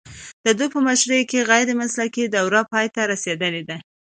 د ده په مشرۍ کې غیر مسلکي دوره پای ته رسیدلې ده